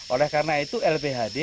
oleh karena itu lphd